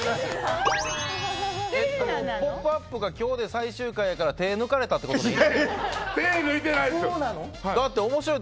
「ポップＵＰ！」が今日で最終回やから手抜かれたってことでいい？